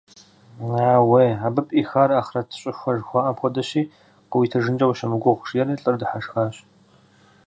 Аууей, абы пӀихар ахърэт щӀыхуэ жыхуаӀэм хуэдэщи, къыуитыжынкӀэ ущымыгугъ, – жиӀэри лӀыр дыхьэшхащ.